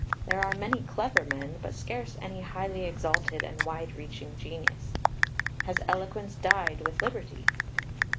There are many clever men, but scarce any highly exalted and wide reaching genius. Has eloquence died with liberty?